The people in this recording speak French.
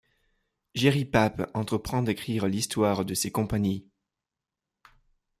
Gerrit Paape entreprend d'écrire l'histoire de ces compagnies.